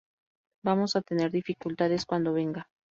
Vamos a tener dificultades cuando venga.